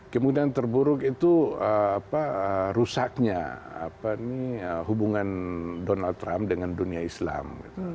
kemungkinan terburuk itu rusaknya hubungan donald trump dengan dunia islam